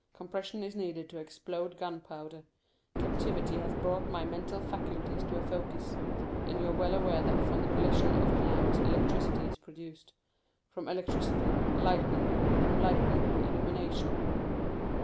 Compression is needed to explode gunpowder. Captivity has brought my mental faculties to a focus; and you are well aware that from the collision of clouds electricity is produced—from electricity, lightning, from lightning, illumination."